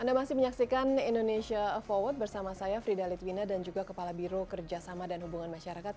anda masih menyaksikan indonesia forward bersama saya frida litwina dan juga kepala biro kerjasama dan hubungan masyarakat